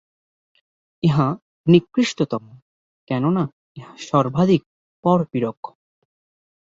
ইহা নিকৃষ্টতম, কেন-না ইহা সর্বাধিক পরপীড়ক।